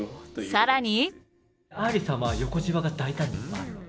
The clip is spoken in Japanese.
さらに。